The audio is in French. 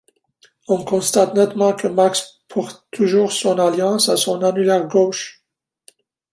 On constate nettement que Max porte toujours son alliance à son annulaire gauche.